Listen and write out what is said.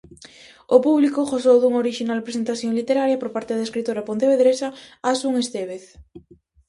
O público gozou dunha orixinal presentación literaria por parte da escritora pontevedresa asun Estévez.